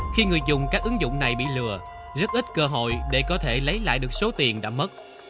khi người dùng các ứng dụng này bị lừa rất ít cơ hội để có thể lấy lại được số tiền đã mất